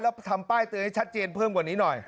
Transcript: แล้วทำป้ายเตือนให้ชัดเจนเพิ่มกว่านี้หน่อย